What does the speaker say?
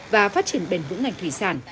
và phát triển bền vững ngành thủy sản